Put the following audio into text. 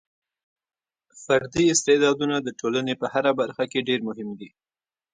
فردي استعدادونه د ټولنې په هره برخه کې ډېر مهم دي.